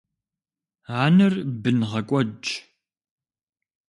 Анэр бын гъэкӀуэдщ.